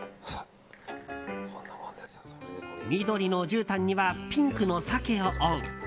緑のじゅうたんにはピンクのサケをオン。